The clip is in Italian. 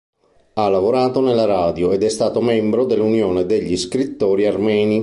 Ha lavorato nella radio ed è stato membro dell'Unione degli scrittori armeni.